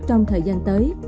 trong thời gian tới